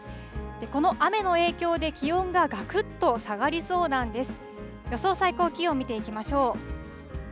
この雨の影響で、気温ががくっと下がりそうなんです。